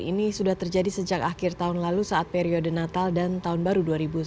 ini sudah terjadi sejak akhir tahun lalu saat periode natal dan tahun baru dua ribu sembilan belas